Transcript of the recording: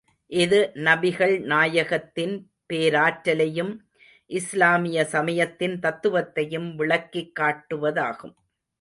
இது நபிகள் நாயகத்தின் பேராற்றலையும், இஸ்லாமிய சமயத்தின் தத்துவத்தையும் விளக்கிக் காட்டுவதாகும்.